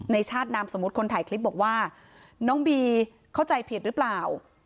ชาตินามสมมุติคนถ่ายคลิปบอกว่าน้องบีเข้าใจผิดหรือเปล่า